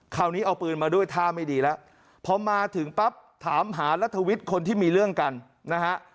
คราวนี้เอาปืนมาด้วยท่าไม่ดีแล้วพอมาถึงปั๊บถามหารัฐวิทย์คนที่มีเรื่องกันนะฮะ